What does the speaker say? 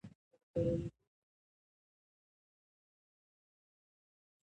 هر کار مالي ملاتړ ته اړتیا لري.